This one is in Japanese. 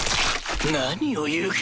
何を言うか！